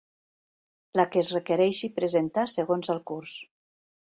La que es requereixi presentar segons el curs.